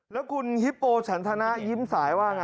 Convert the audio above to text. แล้วคุณฮิปโปร์ฉันธนะยิ้มสายว่าอย่างไร